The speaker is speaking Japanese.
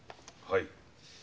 はい。